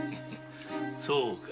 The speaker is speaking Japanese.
そうか。